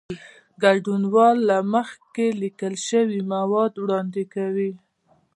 ګډونوال له مخکې لیکل شوي مواد وړاندې کوي.